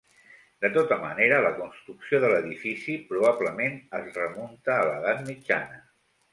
De tota manera, la construcció de l'edifici probablement es remunta a l'Edat Mitjana.